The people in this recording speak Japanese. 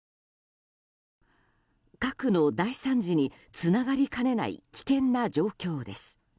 核の大惨事につながりかねない危険な状況です。